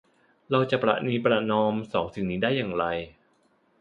เราจะประนีประนอมสองสิ่งนี้ได้อย่างไร